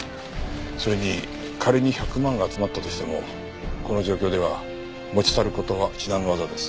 それに仮に１００万集まったとしてもこの状況では持ち去る事は至難の業です。